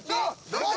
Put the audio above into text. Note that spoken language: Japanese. どっち？